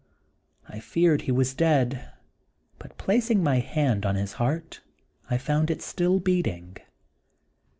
I feared he was dead, but placing my hand on his heart, I found it still beating.